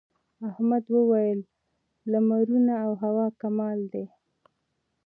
احمد وويل: لمرونه او هوا کمال دي.